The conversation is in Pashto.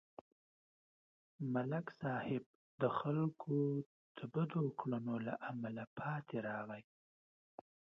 ملک صاحب د خلکو د بدو کړنو له امله پاتې راغی.